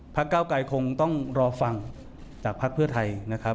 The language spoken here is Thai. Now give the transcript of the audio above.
เก้าไกรคงต้องรอฟังจากภักดิ์เพื่อไทยนะครับ